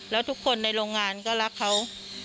แล้วทุกคนในโรงงานก็รักเขา